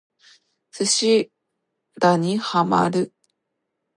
寿司打にハマる